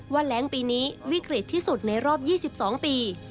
แหลงปีนี้วิกฤตที่สุดในรอบ๒๒ปี